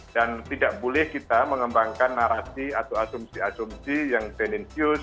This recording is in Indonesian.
dan tidak boleh kita mengembangkan narasi atau asumsi asumsi yang penentius